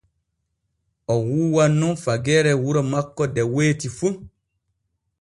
O wuuwan nun fageere wuro makko de weeti fu.